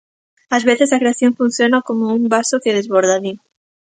"Ás veces a creación funciona como un vaso que desborda", di.